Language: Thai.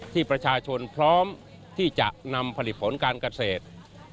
ที่ประชาชนพร้อมที่จะนำผลิตผลการเกษตร